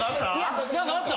何かあった？